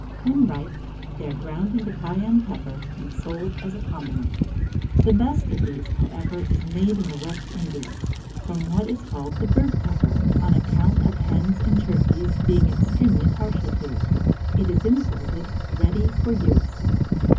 When ripe, they are ground into cayenne pepper, and sold as a condiment. The best of this, however, is made in the West Indies, from what is called the Bird pepper, on account of hens and turkeys being extremely partial to it. It is imported ready for use.